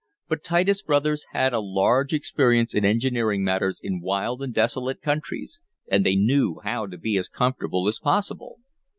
But Titus Brothers had a large experience in engineering matters in wild and desolate countries, and they knew how to be as comfortable as possible.